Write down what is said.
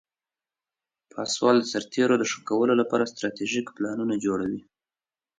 پاسوال د سرتیرو د ښه کولو لپاره استراتیژیک پلانونه جوړوي.